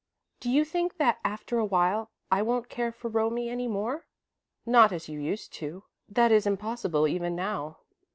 "Do you think that, after a while, I won't care for Romie any more?" "Not as you used to that is impossible even now."